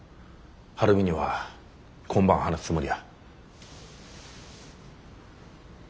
晴美には今晩話すつもりや。